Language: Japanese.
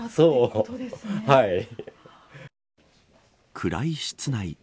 暗い室内。